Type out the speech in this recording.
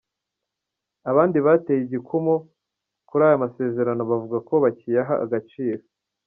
Abandi bateye igikumu kuri ayo masezerano bavuga ko bakiyaha agaciro.